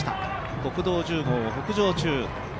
国道１０号を北上中。